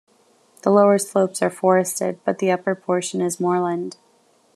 The lower slopes are forested, but the upper portion is moorland.